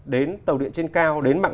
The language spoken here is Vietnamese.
đến tàu điện trên cao đến mạng